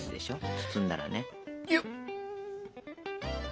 包んだらね。